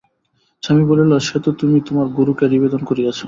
স্বামী বলিল, সে তো তুমি তোমার গুরুকে নিবেদন করিয়াছ।